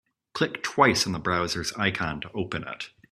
Click twice on the browser's icon to open it.